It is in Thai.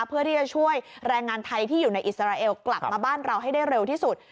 เพื่อที่จะช่วยแรงงานไทยที่อยู่ในอิสราเอลกลับมาบ้านเราให้ได้เร็วที่สุด